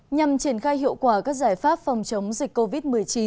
nhằm triển khai hiệu quả các giải pháp phòng chống dịch covid một mươi chín